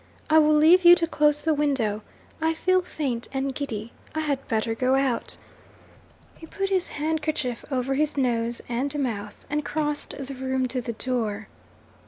'I will leave you to close the window. I feel faint and giddy I had better go out.' He put his handkerchief over his nose and mouth, and crossed the room to the door.